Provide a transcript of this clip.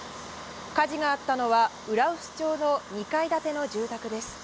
火事があったのは浦臼町の２階建ての住宅です。